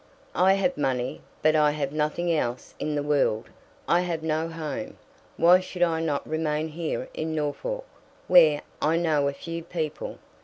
"I have money, but I have nothing else in the world. I have no home. Why should I not remain here in Norfolk, where I know a few people?